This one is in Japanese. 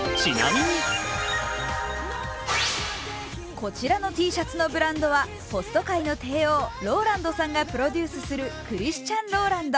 こちらのＴシャツのブランドはホスト界の帝王・ＲＯＬＡＮＤさんがプロデュースするＣＨＲＩＳＴＩＡＮＲＯＬＡＮＤ。